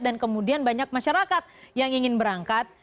dan kemudian banyak masyarakat yang ingin berangkat